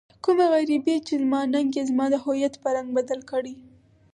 کومه غريبي چې زما ننګ يې زما د هويت په رنګ بدل کړی.